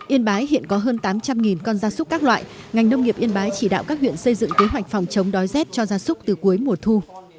yên bái hiện có hơn tám trăm linh con gia súc các loại ngành nông nghiệp yên bái chỉ đạo các huyện xây dựng kế hoạch phòng chống đói rét cho gia súc từ cuối mùa thu